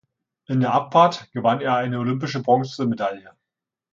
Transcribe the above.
In der Abfahrt gewann er eine olympische Bronzemedaille.